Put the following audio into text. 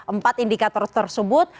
empat indikator tersebut